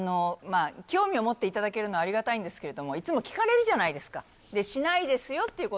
興味を持っていただけるのはありがたいんですけれどもいつも聞かれるじゃないですか